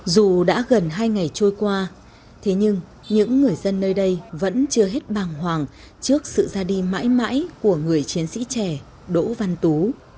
dù đã gần hai ngày trôi qua thế nhưng những người dân nơi đây vẫn chưa hết bàng hoàng trước sự ra đi mãi mãi của người chiến sĩ trẻ đỗ văn tú